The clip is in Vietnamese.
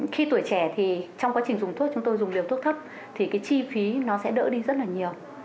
khi tuổi trẻ thì trong quá trình dùng thuốc chúng tôi dùng liều thuốc thấp thì cái chi phí nó sẽ đỡ đi rất là nhiều